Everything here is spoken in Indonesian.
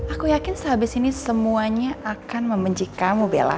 aku yakin sehabis ini semuanya akan membenci kamu bella